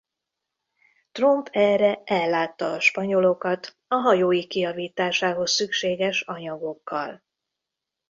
Tromp erre ellátta a spanyolokat a hajóik kijavításához szükséges anyagokkal.